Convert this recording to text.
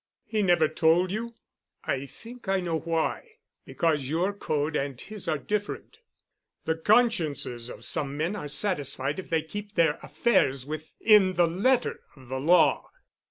"He never told you? I think I know why. Because your code and his are different. The consciences of some men are satisfied if they keep their affairs within the letter of the law.